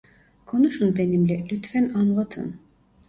Konuşun benimle, lütfen anlatın.